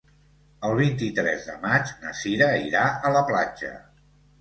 El vint-i-tres de maig na Cira irà a la platja.